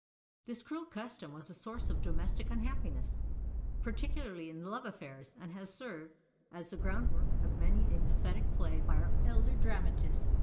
This cruel custom was a source of domestic unhappiness, particularly in love affairs, and has served as the ground work of many a pathetic play by our elder dramatists.